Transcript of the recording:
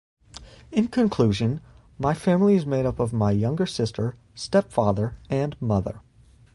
In conclusion, my family is made up of my younger sister, stepfather, and mother.